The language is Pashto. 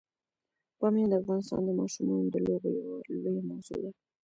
بامیان د افغانستان د ماشومانو د لوبو یوه لویه موضوع ده.